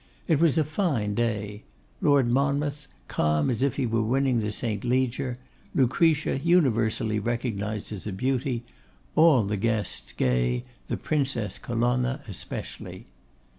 It was a fine day; Lord Monmouth, calm as if he were winning the St. Leger; Lucretia, universally recognised as a beauty; all the guests gay, the Princess Colonna especially.